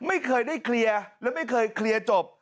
ไม่เคยได้เคลียร์และไม่เคยเคลียร์จบ